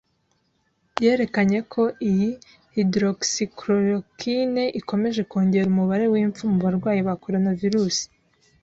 yerekanye ko iyi hydroxychloroquine ikomeje kongera umubare w’impfu mu barwayi ba coronavirus.